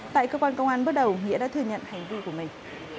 tại cơ quan công an bước đầu nghĩa đã thừa nhận hành vi của mình